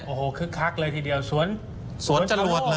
โอ้โหคึกคักเลยทีเดียวสวนสวนจรวดเลย